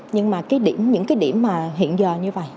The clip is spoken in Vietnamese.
nhưng mà những điểm hiện giờ như vậy